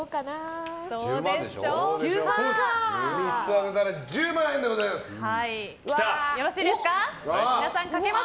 ３つ当てたら１０万円でございます。